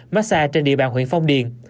massage trên địa bàn huyện phong điền